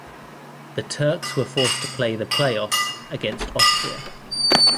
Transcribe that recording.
The Turks were forced to play the play-offs against Austria.